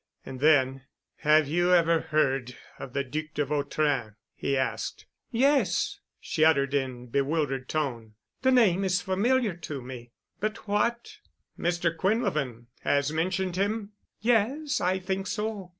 And then, "Have you ever heard of the Duc de Vautrin?" he asked. "Yes," she uttered in bewildered tone, "the name is familiar to me. But what——?" "Mr. Quinlevin—has mentioned him?" "Yes, I think so.